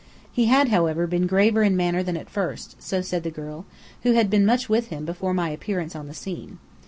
He had, however, been graver in manner than at first, so said the girl, who had been much with him before my appearance on the scene.